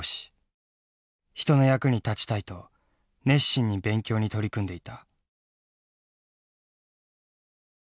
人の役に立ちたいと熱心に勉強に取り組んでいた。